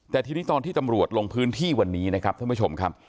แต่ทีนี้ตอนที่ตำรวจลงพื้นที่วันนี้นะครับท่านผู้ชมครับ